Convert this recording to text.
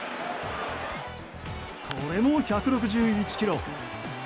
これも１６１キロ。